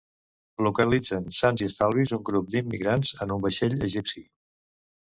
Localitzen sans i estalvis un grup d'immigrants en un vaixell egipci.